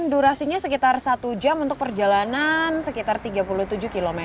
durasinya sekitar satu jam untuk perjalanan sekitar tiga puluh tujuh km